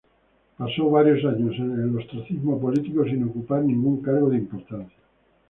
Pasó varios años en el ostracismo político, sin ocupar ningún cargo de importancia.